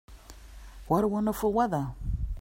What a wonderful weather!